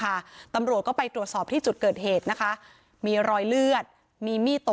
ค่ะตำรวจก็ไปตรวจสอบที่จุดเกิดเหตุนะคะมีรอยเลือดมีมีดตก